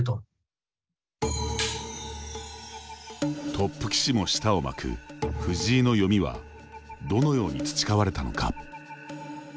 トップ棋士も舌を巻く藤井の読みはどのように培われたのか。